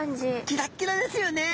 キラッキラですよね。